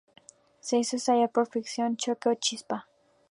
Se hizo estallar por fricción, choque, o una chispa.